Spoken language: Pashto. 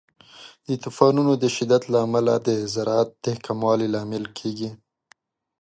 د طوفانونو د شدت له امله د زراعت د کموالي لامل کیږي.